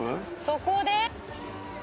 「そこで」